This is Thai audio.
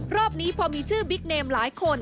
รอบนี้พอมีชื่อบิ๊กเนมหลายคน